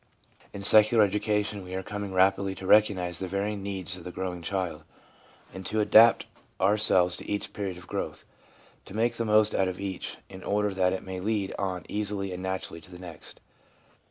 In secular education we are coming rapidly to recognise the varying needs of the growing child, and to adapt ourselves to each period of growth — to make the most out of each, in order that it may lead on easily and naturally to the next.